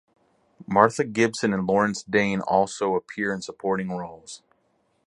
Martha Gibson and Lawrence Dane also appear in supporting roles.